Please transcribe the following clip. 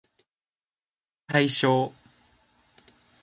対象